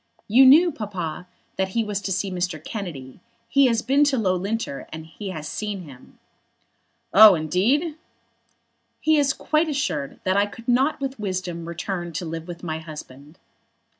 "You knew, Papa, that he was to see Mr. Kennedy. He has been to Loughlinter, and has seen him." "Oh, indeed!" "He is quite assured that I could not with wisdom return to live with my husband."